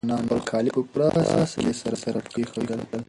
انا خپل کالي په پوره سلیقې سره په کټ کېښودل.